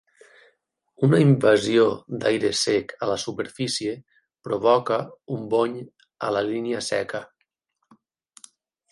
Una invasió d'aire sec a la superfície provoca un bony a la línia seca.